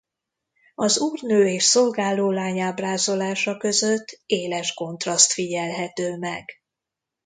Az úrnő és szolgálólány ábrázolása között éles kontraszt figyelhető meg.